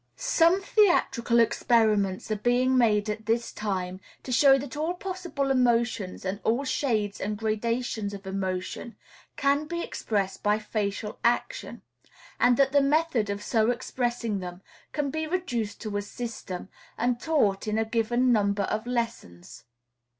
Some theatrical experiments are being made at this time to show that all possible emotions and all shades and gradations of emotion can be expressed by facial action, and that the method of so expressing them can be reduced to a system, and taught in a given number of lessons.